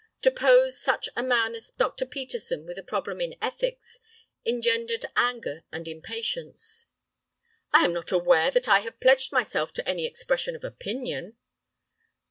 To pose such a man as Dr. Peterson with a problem in ethics, engendered anger and impatience. "I am not aware that I have pledged myself to any expression of opinion."